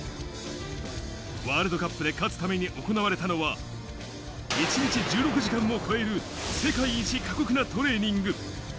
ワールドカップで勝つために行われたのは、１日１６時間を超える世界一過酷なトレーニング。